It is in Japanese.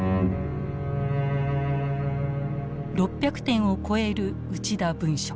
６００点を超える「内田文書」。